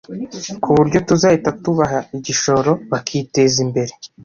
ku buryo tuzahita tubaha igishoro bakiteza imbere